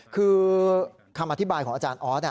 คือคำอธิบายของอาจารย์ออส